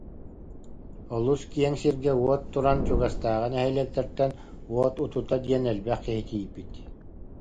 Олус киэҥ сиргэ уот туран, чугастааҕы нэһилиэктэртэн уот утута диэн элбэх киһи тиийбит